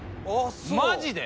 マジで？